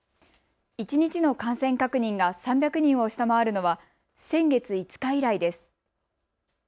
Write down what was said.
一日の感染確認が３００人を下回るのは先月５日以来です。